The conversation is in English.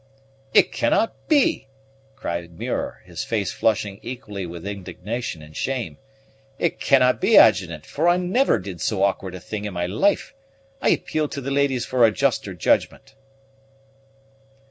"It cannot be!" cried Muir, his face flushing equally with indignation and shame; "it cannot be, Adjutant; for I never did so awkward a thing in my life. I appeal to the ladies for a juster judgment."